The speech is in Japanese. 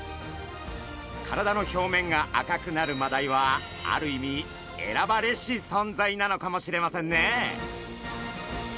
体の表面が赤くなるマダイはある意味選ばれし存在なのかもしれませんね。